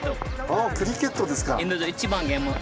ああクリケットですか。